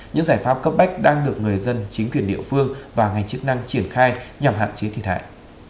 những giải pháp cấp bách đang được người dân chính quyền địa phương và ngành chức năng triển khai nhằm hạn chế thiệt hại